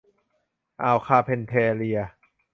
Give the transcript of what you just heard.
อ่าวคาร์เพนแทเรีย